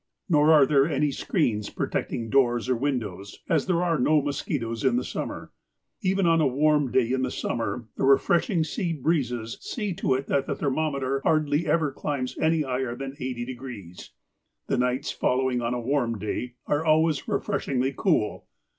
Nor are there any screens protecting doors or windows, as there are no mosquitoes in the summer. Even on a warm day in the summer the refreshing sea breezes see to it that the thermometer hardly ever climbs any higher than eighty degrees. The nights, following on a warm day, are always refreshingly cool.